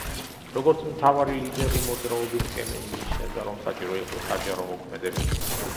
როგორც მთავარი ლიდერი მოძრაობის, კემენი მიიჩნევდა, რომ საჭირო იყო საჯარო მოქმედებები.